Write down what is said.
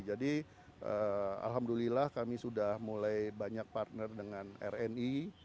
jadi alhamdulillah kami sudah mulai banyak partner dengan rni